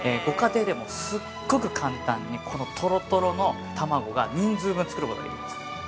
ご家庭でも、すごく簡単に、とろとろの卵が人数分作ることができます。